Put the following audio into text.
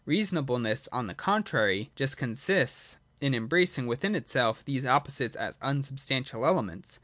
Reasonableness, on the contrary, just consists in embracing within itself these opposites as unsubstantial elements.